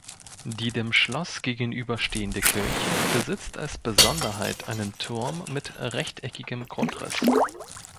Die dem Schloss gegenüber stehende Kirche besitzt als Besonderheit einen Turm mit rechteckigem Grundriss.